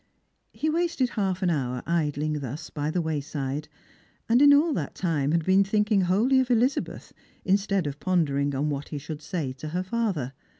He wasted half an hour idling thus by the way side, anc^ in all that time had been thinking wholly of Elizabeth, iustea( of pondering on what he should say to her father.